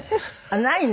ないの？